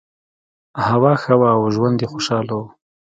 هوا ښه وه او ژوند یې خوشحاله و.